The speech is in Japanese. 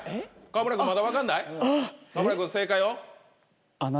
川村君まだ分かんない？あっ！